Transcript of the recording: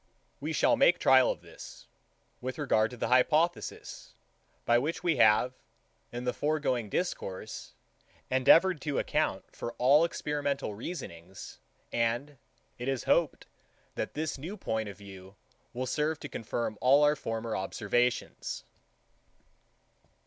We shall make trial of this, with regard to the hypothesis, by which we have, in the foregoing discourse, endeavoured to account for all experimental reasonings; and it is hoped, that this new point of view will serve to confirm all our former observations.